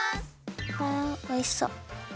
わあおいしそう。